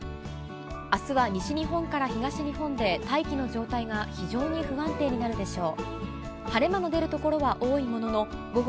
あすは西日本から東日本で大気の状態が非常に不安定になるでしょう。